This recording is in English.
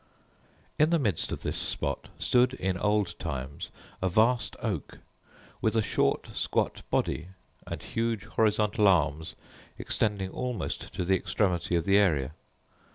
In the midst of this spot stood, in old times, a vast oak, with a short squat body, and huge horizontal arms extending almost to the extremity of the area.